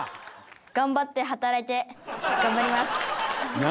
頑張って働いて頑張ります！